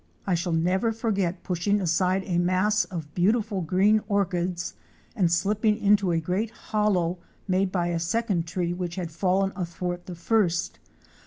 I shall never forget pushing aside a mass of beautiful green orchids and slipping into a great hollow made by a second tree which had fallen athwart the first.